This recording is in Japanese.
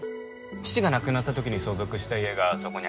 父が亡くなった時に相続した家がそこにありまして。